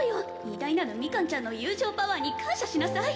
偉大なるミカンちゃんの友情パワーに感謝しなさい